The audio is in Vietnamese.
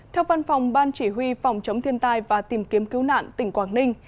theo văn phòng ban chỉ huy phòng chống thiên tai và tìm kiếm cứu nạn tỉnh quảng ninh